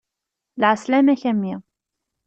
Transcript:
Lɛeslama-k a mmi.